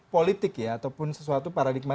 politik ya ataupun sesuatu paradigma